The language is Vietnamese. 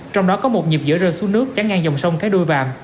trong đó có một nhịp giữa rơi xuống nước trắng ngang dòng sông cái đôi vạm